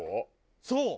そう。